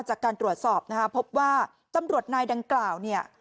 จากการตรวจสอบนะฮะพบว่าตำรวจนายดังกล่าวเนี่ย